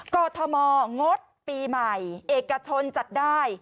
กรทมงดปีใหม่เอกชนจัดได้